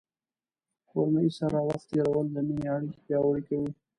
د کورنۍ سره وخت تیرول د مینې اړیکې پیاوړې کوي.